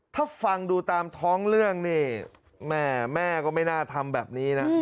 ถ้าฟังดูตามท้องเรื่องนี่แม่แม่ก็ไม่น่าทำแบบนี้นะ